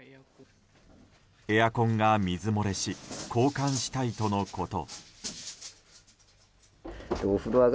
エアコンが水漏れし交換したいとのこと。